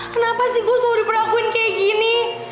kenapa sih gue selalu diperlakuin kayak gini